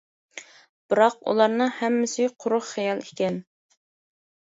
بىراق ئۇلارنىڭ ھەممىسى قۇرۇق خىيال ئىكەن.